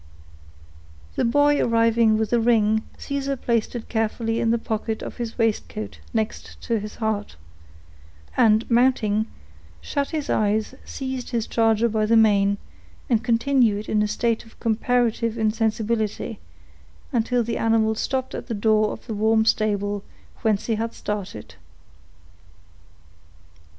The boy arriving with the ring, Caesar placed it carefully in the pocket of his waistcoat next his heart, and, mounting, shut his eyes, seized his charger by the mane, and continued in a state of comparative insensibility, until the animal stopped at the door of the warm stable whence he had started.